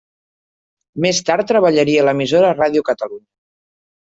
Més tard treballaria a l'emissora Ràdio Catalunya.